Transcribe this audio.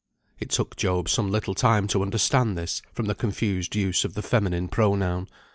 It took Job some little time to understand this, from the confused use of the feminine pronoun.